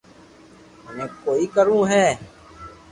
منو ڪوئي ڪروہ ھئ